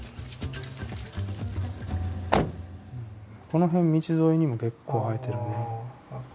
この辺道沿いにも結構生えてるね。